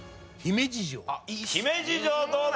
姫路城どうだ？